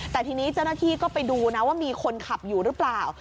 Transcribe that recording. แต่ทีนี้เจ้าหน้าที่ก็ไปดูนะว่ามีคนขับอยู่หรือเปล่า